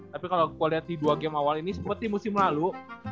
tapi kalo gua liat di dua game awal ini seperti musim lalu